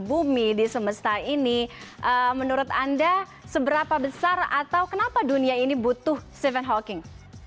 bumi di semesta ini menurut anda seberapa besar atau kenapa dunia ini butuh stephen hawking